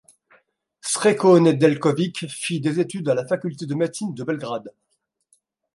Srećko Nedeljković fit des études à la faculté de médecine de Belgrade.